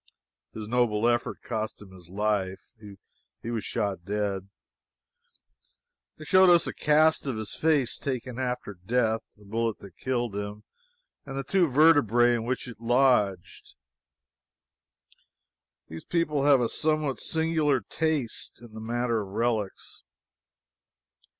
His noble effort cost him his life. He was shot dead. They showed us a cast of his face taken after death, the bullet that killed him, and the two vertebrae in which it lodged. These people have a somewhat singular taste in the matter of relics.